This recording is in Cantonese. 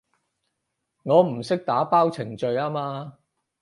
我唔識打包程序吖嘛